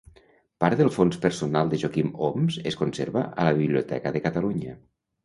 Part del fons personal de Joaquim Homs es conserva a la Biblioteca de Catalunya.